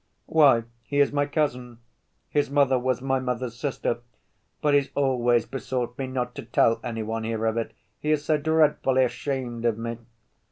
"Why, he is my cousin. His mother was my mother's sister. But he's always besought me not to tell any one here of it, he is so dreadfully ashamed of me."